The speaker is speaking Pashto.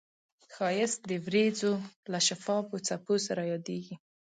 ښایست د وریځو له شفافو څپو سره یادیږي